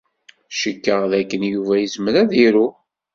Cikkeɣ dakken Yuba yezmer ad iru.